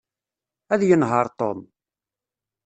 Ad yenheṛ Tom.